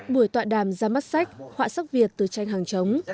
buổi tọa đàm ra mắt sách họa sắc việt từ tranh hàng chống